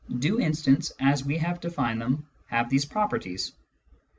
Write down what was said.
Do instants, as we have defined them, have these properties